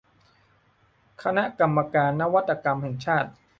คณะกรรมการนวัตกรรมแห่งชาติ